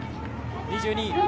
２２位。